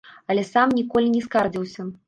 Але сам ніколі не скардзіўся.